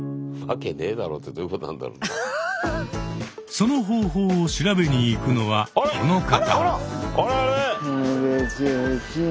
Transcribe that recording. その方法を調べに行くのはこの方。